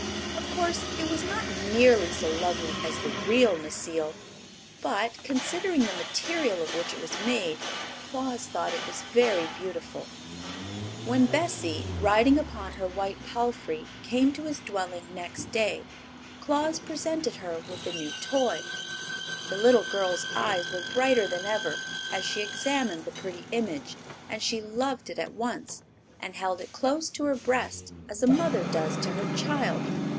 Of course it was not nearly so lovely as the real Necile; but, considering the material of which it was made, Claus thought it was very beautiful. When Bessie, riding upon her white palfrey, came to his dwelling next day, Claus presented her with the new toy. The little girl's eyes were brighter than ever as she examined the pretty image, and she loved it at once, and held it close to her breast, as a mother does to her child.